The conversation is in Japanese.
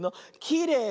「きれい」！